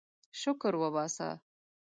شکر وباسه.